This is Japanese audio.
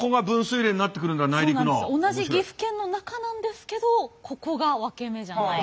同じ岐阜県の中なんですけどここがワケメじゃないかと。